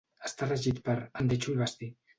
Està regit per Angh de Chui Basti.